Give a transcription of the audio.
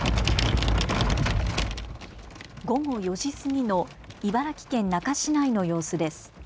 午後４時過ぎの茨城県那珂市内の様子です。